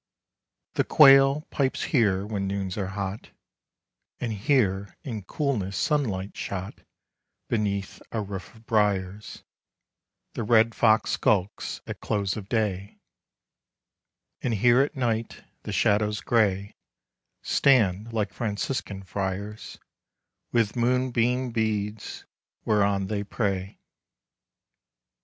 The quail pipes here when noons are hot; And here, in coolness sunlight shot Beneath a roof of briers, The red fox skulks at close of day; And here at night, the shadows gray Stand like FRANCISCAN friars, With moonbeam beads whereon they pray.